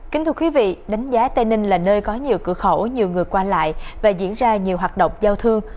kính thưa quý vị đánh giá tây ninh là nơi có nhiều cửa khẩu nhiều người qua lại và diễn ra nhiều hoạt động giao thương